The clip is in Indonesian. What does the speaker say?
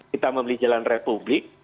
kita memilih jalan republik